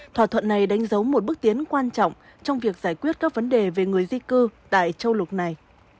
thỏa thuận này đánh dấu một bước tiến quan trọng trong việc giải quyết các vấn đề về người di cư tại châu lục này